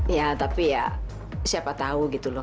ya tapi ya siapa tahu gitu loh